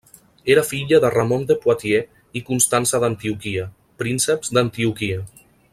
Era filla de Ramon de Poitiers i Constança d'Antioquia, prínceps d'Antioquia.